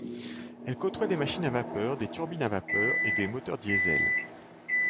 Elle côtoie des machines à vapeur, des turbines à vapeur et des moteurs diesels.